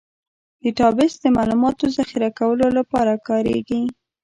ډیټابیس د معلوماتو ذخیره کولو لپاره کارېږي.